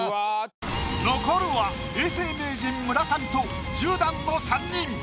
残るは永世名人村上と１０段の３人。